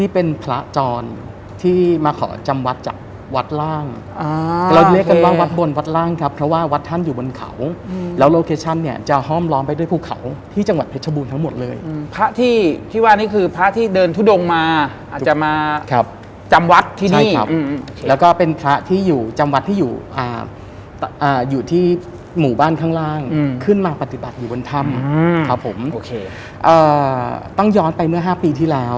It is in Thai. เป็นพระจรที่มาขอจำวัดจากวัดล่างเราเรียกกันว่าวัดบนวัดล่างครับเพราะว่าวัดท่านอยู่บนเขาแล้วโลเคชั่นเนี่ยจะห้อมล้อมไปด้วยภูเขาที่จังหวัดเพชรบูรณ์ทั้งหมดเลยพระที่ที่ว่านี่คือพระที่เดินทุดงมาอาจจะมาจำวัดที่นี่ครับแล้วก็เป็นพระที่อยู่จำวัดที่อยู่อยู่ที่หมู่บ้านข้างล่างขึ้นมาปฏิบัติอยู่บนถ้ำครับผมโอเคต้องย้อนไปเมื่อ๕ปีที่แล้ว